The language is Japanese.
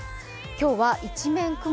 今日は一面雲。